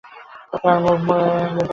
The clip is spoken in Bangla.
তাহার মুখ স্বগীয় তৃপ্তিতে ভরিয়া উঠিল।